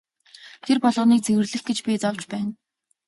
Тэр болгоныг цэвэрлэх гэж би зовж байна.